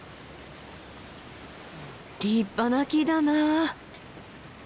立派な木だなあ。